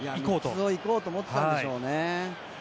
３つ行こうと思っていたんでしょうね。